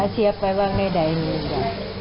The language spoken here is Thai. เชียบไปว่าในใดนึงก็